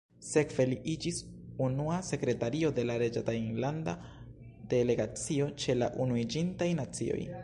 Sekve li iĝis unua sekretario de la reĝa tajlanda delegacio ĉe la Unuiĝintaj Nacioj.